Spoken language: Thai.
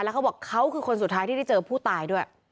เขาบอกเขาคือคนสุดท้ายที่ได้เจอผู้ตายด้วย